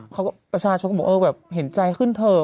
เขาก็ประชาชนบอกว่าเห็นใจขึ้นเถอะ